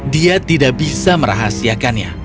dia tidak bisa merahasiakannya